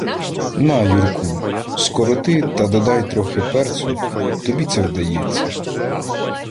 — На, Юрку, скороти та додай трохи перцю — тобі це вдається.